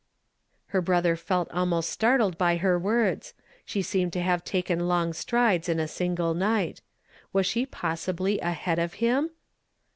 " Her brother felt almost startled by her words ; she seemed to have taken long strides in a single night. Was she possibly ahead of him